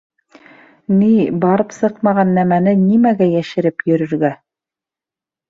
Ни, барып сыҡмаған нәмәне нимәгә йәшереп йөрөргә?